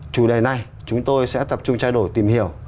chủ đề này chúng tôi sẽ tập trung trao đổi tìm hiểu